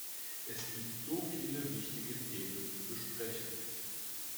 Es gibt so viele wichtige Themen zu besprechen.